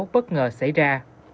bất ngờ xảy ra